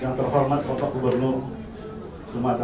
yang terhormat kepala gubernur sumatera utara